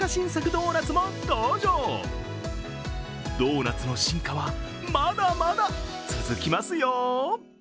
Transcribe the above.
ドーナツの進化はまだまだ続きますよ。